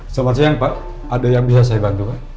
selamat siang pak ada yang bisa saya bantu pak